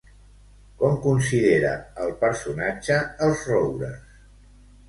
Com considera el personatge els roures?